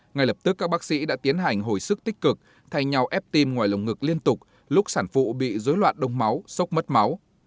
ngay lập tức các bác sĩ đã tiến hành hồi sức tích cực thay nhau ép tim ngoài lồng ngực liên tục lúc sản phụ bị dối loạn đông máu sốc mất máu